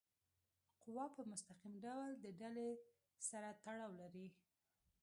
قوه په مستقیم ډول د ډلي سره تړاو لري.